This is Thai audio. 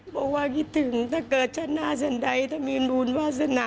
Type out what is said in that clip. เพราะว่าก็คิดถึงถ้าเกิดชะนาสันได้ถ้ามีบุญวาชนะ